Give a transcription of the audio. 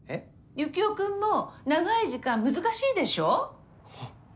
ユキオ君も長い時間難しいでしょ？